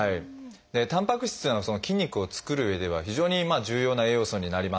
たんぱく質っていうのは筋肉を作るうえでは非常に重要な栄養素になります。